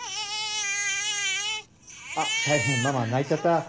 あっ大変ママ泣いちゃった。